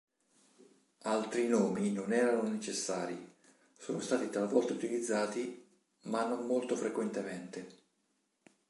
Altri nomi non erano necessari; sono stati talvolta utilizzati, ma non molto frequentemente.